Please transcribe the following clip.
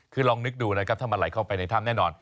คือลองนึกดูนะครับถ้ามันไหลเข้าไปในถ้ำแน่นอน